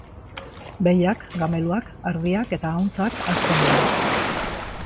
Behiak, gameluak, ardiak eta ahuntzak hazten dira.